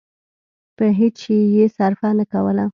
په هېڅ شي يې صرفه نه کوله.